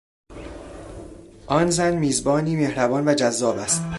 آن زن میزبانی مهربان و جذاب است.